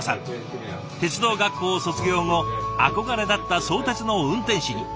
鉄道学校を卒業後憧れだった相鉄の運転士に。